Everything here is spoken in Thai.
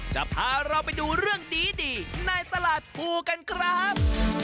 จะพาเราไปดูเรื่องดีในตลาดภูกันครับ